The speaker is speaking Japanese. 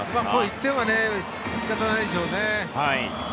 １点は仕方ないでしょうね。